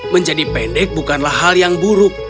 menjadi pendek bukanlah hal yang buruk